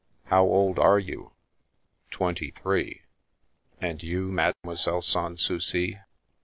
" How old are you ?" "Twenty three. And you, Mademoiselle Sa Souci?"